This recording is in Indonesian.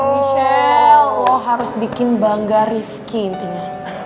michelle lo harus bikin bangga rifki intinya